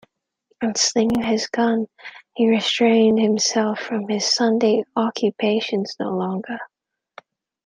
Unslinging his gun, he restrained himself from his Sunday occupations no longer.